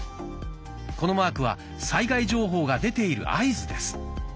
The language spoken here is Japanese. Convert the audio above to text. このマークは災害情報が出ている合図です。